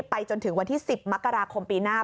ไปจนถึงวันที่๑๐มกราคมปีหน้า